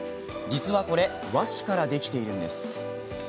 実は、これ和紙からできているんです。